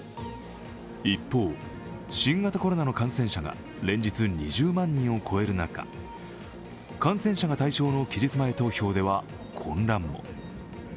一方、新型コロナの感染者が連日２０万人を超える中、感染者が対象の期日前投票では混乱も。